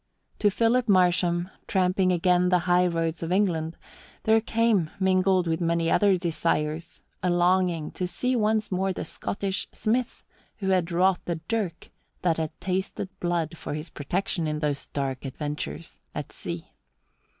To Philip Marsham, tramping again the high roads of England, there came, mingled with many other desires, a longing to see once more the Scottish smith who had wrought the dirk that had tasted blood for his protection in those dark adventures at sea.